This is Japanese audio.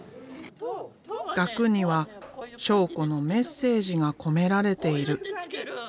額には章子のメッセージが込められている。